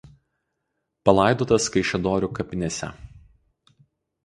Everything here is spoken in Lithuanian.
Palaidotas Kaišiadorių kapinėse.